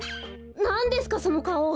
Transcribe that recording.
なんですかそのかお。